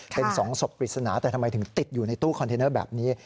เป็น๒ศพปริศนาแต่ทำไมถึงติดอยู่ในตู้คอนเทนเนอร์แบบนี้